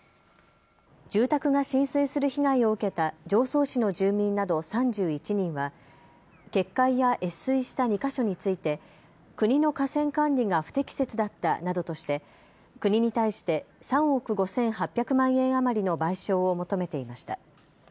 住宅が浸水する被害を受けた常総市の住民など３１人は決壊や越水した２か所について国の河川管理が不適切だったなどとして国に対して３億５８００万円余りの賠償を求めていました。